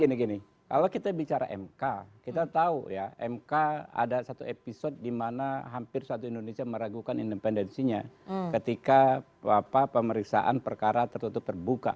jadi gini kalau kita bicara mk kita tahu ya mk ada satu episode di mana hampir suatu indonesia meragukan independensinya ketika pemeriksaan perkara tertutup terbuka